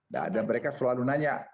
dan mereka selalu nanya